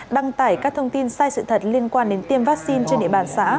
đăng tải các thông tin sai sự thật liên quan đến tiêm vaccine trên địa bàn xã